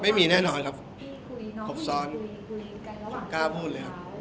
ไม่มีแน่นอนครับผมซ้อนผมกล้าพูดเลยครับ